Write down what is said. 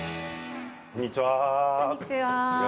こんにちは。